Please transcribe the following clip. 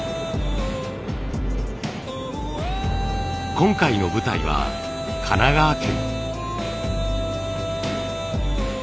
今回の舞台は神奈川県。